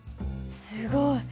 すごい。